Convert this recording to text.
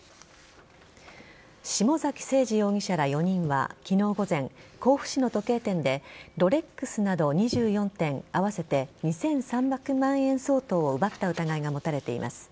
下崎星児容疑者ら４人は昨日午前甲府市の時計店でロレックスなど２４点合わせて２３００万円相当を奪った疑いが持たれています。